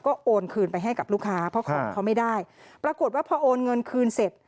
ก็โอนคืนไปให้กับลูกค้าเพราะของเขาไม่ได้ปรากฏว่าพอโอนเงินคืนเสร็จ